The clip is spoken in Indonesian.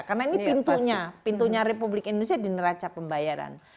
karena ini pintunya pintunya republik indonesia di neraca pembayaran